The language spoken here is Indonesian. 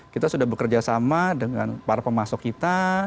kita sudah bekerja sama dengan para pemasok kita